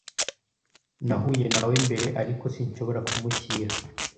Nahuye nawe mbere, ariko sinshobora kumushyira.